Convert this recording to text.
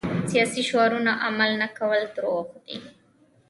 سیاسي شعارونه عمل نه کول دروغ دي.